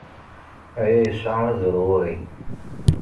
Aya yesɛa azal ɣer-i.